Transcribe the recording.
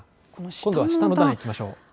今度は下の段いきましょう。